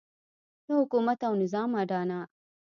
د حکومت او نظام اډانه.